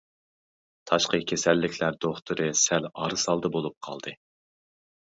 تاشقى كېسەللىكلەر دوختۇرى سەل ئارىسالدى بولۇپ قالدى.